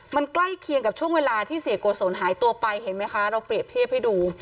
มันใกล้เคียงกับช่วงเวลาที่เสียโกศลหายตัวไปเห็นไหมคะเราเปรียบเทียบให้ดู